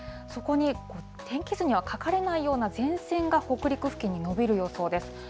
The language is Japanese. そこに天気図には書かれないような前線が、北陸付近に延びる予想です。